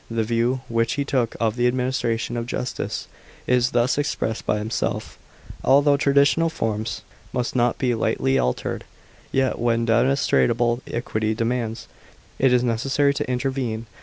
The view which he took of the administration of justice is thus expressed by himself: "Although traditional forms must not be lightly altered, yet, when demon strable equity demands, it is necessary to intervene."